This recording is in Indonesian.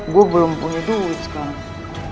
gue belum punya duit sekarang